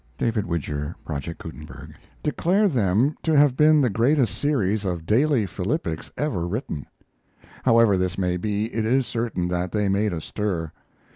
D.W.] declare them to have been the greatest series of daily philippics ever written. However this may be, it is certain that they made a stir.